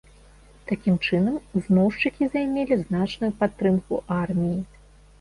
Такім чынам, змоўшчыкі займелі значную падтрымку арміі.